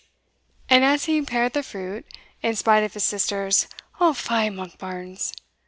And as he pared the fruit, in spite of his sister's "O fie, Monkbarns!"